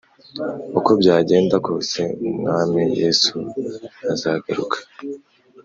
Uko byagenda kose umwami yesu azazgaruka